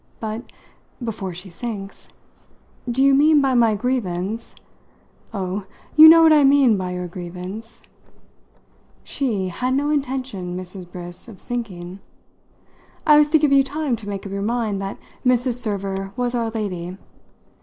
But (before she sinks!) do you mean by my grievance " "Oh, you know what I mean by your grievance!" She had no intention, Mrs. Briss, of sinking. "I was to give you time to make up your mind that Mrs. Server was our lady.